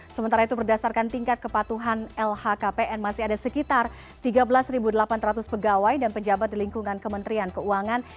sementara itu berdasarkan tingkat kepatuhan lhkpn masih ada sekitar tiga belas delapan ratus pegawai dan pejabat di lingkungan kementerian keuangan